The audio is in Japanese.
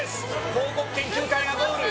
広告研究会がゴール。